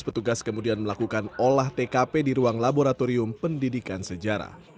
petugas kemudian melakukan olah tkp di ruang laboratorium pendidikan sejarah